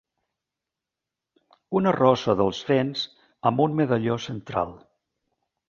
Una rosa dels vents amb un medalló central.